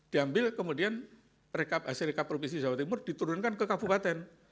diambil kemudian rekap hasil rekap provinsi jawa timur diturunkan ke kabupaten